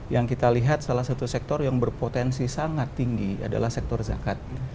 yang kita lihat salah satu sektor yang berpotensi sangat tinggi adalah sektor zakat